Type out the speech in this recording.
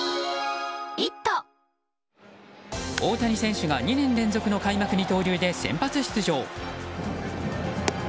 大谷選手が２年連続の開幕二刀流で先発出場。